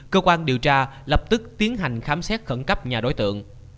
cơ quan điều tra lập tức tiến hành khám xét khẩn cấp nhà đối tượng